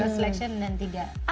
selection dan tiga